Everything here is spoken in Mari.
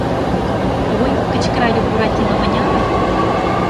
— Ой, — кычкырале Буратино, — мыняре?